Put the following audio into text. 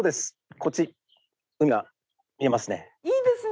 こっち海が見えますね。